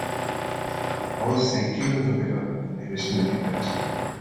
I want to see King of the River in the nearest movie theatre